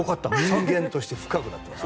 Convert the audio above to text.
人間として深くなっています。